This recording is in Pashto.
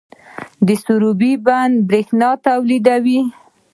د سروبي بند بریښنا تولیدوي